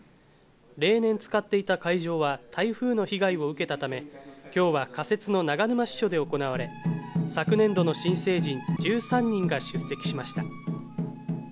例年使っていた会場は台風の被害を受けたため、きょうは仮設の長沼支所で行われ、昨年度の新成人１３人が出席しました。